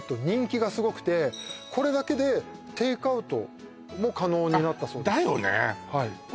人気がすごくてこれだけでテイクアウトも可能になったそうですだよね